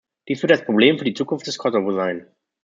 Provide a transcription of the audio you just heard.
Dies wird das Problem für die Zukunft des Kosovo sein.